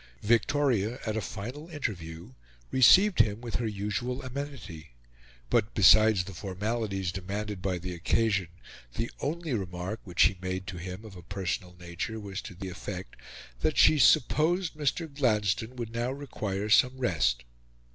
Victoria, at a final interview, received him with her usual amenity, but, besides the formalities demanded by the occasion, the only remark which she made to him of a personal nature was to the effect that she supposed Mr. Gladstone would now require some rest.